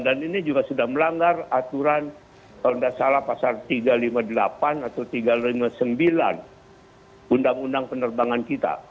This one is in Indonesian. dan ini juga sudah melanggar aturan kalau nggak salah pasar tiga ratus lima puluh delapan atau tiga ratus lima puluh sembilan undang undang penerbangan kita